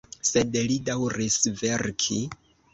Sed li daŭris verki.